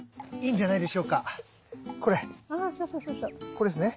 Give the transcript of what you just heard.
これっすね。